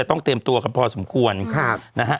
โทษทีน้องโทษทีน้อง